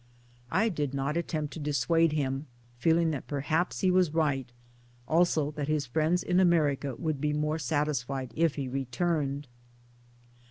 I did not attempt to dissuade him feeling that perhaps he was right also that his friends in America would be more satisfied if he returned.